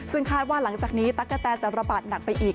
ซึ่งคาดว่าหลังจากนี้ตั๊กกะแตจะระบาดหนักไปอีก